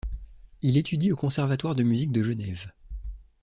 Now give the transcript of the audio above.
Il étudie au Conservatoire de musique de Genève.